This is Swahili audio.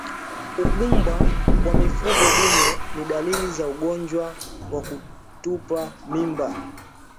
Ugumba kwa mifugo dume ni dalili za ugonjwa wa kutupa mimba